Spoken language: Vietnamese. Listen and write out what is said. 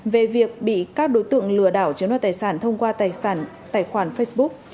về việc bị các đối tượng lừa đảo chiếm đoạt tài sản thông qua tài khoản facebook